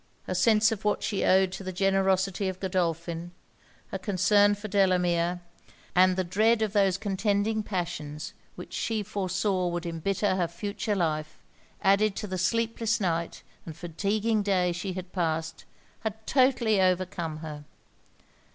Her sense of what she owed to the generosity of Godolphin; her concern for Delamere; and the dread of those contending passions which she foresaw would embitter her future life, added to the sleepless night and fatigueing day she had passed, had totally overcome her.